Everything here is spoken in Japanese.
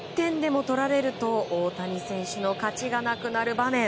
１点でも取られると大谷選手の勝ちがなくなる場面。